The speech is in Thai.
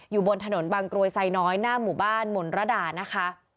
อยู่บนถนนบางกรวยไซน้อยหน้าหมู่บ้านหมุนระดานะคะ